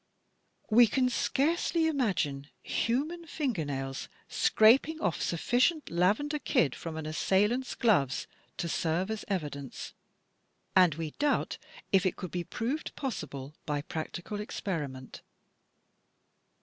We can scarcely imagine human finger nails scraping off sufficient lavender kid from an assailant's gloves to serve as evidence, and we doubt if it could be proved possible by practical experiment.